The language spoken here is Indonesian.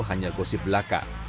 hanya gosip belaka